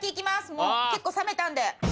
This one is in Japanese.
もう結構冷めたんで。